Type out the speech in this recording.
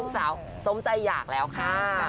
จมใจอยากแล้วค่ะ